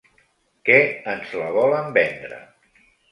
Que ens la volen vendre.